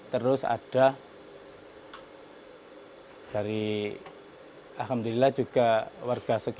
terus ada dari alhamdulillah juga warga sekitar